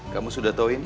kamu sudah tau ini